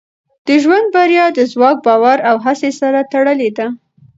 د ژوند بریا د ځواک، باور او هڅې سره تړلې ده.